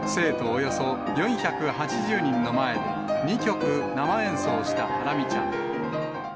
およそ４８０人の前で、２曲生演奏したハラミちゃん。